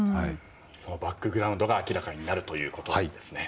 バックグラウンドが明らかになるということですね。